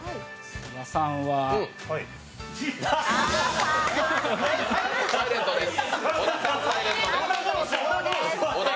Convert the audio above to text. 小田さん、サイレントです。